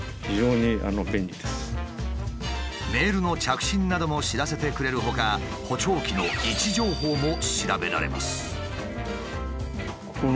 メールの着信なども知らせてくれるほか補聴器の位置情報も調べられます。